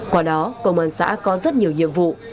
qua đó công an xã có rất nhiều nhiệm vụ